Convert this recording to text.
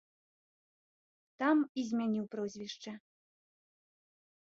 Там і змяніў прозвішча.